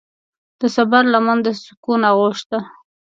د صبر لمن د سکون آغوش ده.